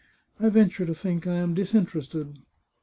I venture to think I am disinterested.